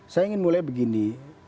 saya ingin mulai begini